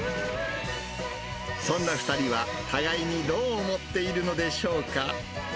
そんな２人は互いにどう思っているのでしょうか。